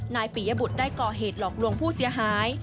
ปียบุตรได้ก่อเหตุหลอกลวงผู้เสียหาย